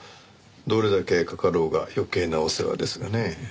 どれだけかかろうが余計なお世話ですがねえ。